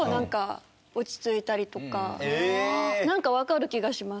なんかわかる気がします